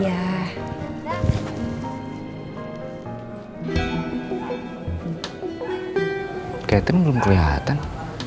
kayaknya emang belum kelihatan